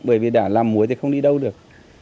bởi vì đã làm muối thì không đi đâu được